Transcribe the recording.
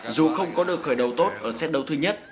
dù không có được khởi đầu tốt ở xét đấu thứ nhất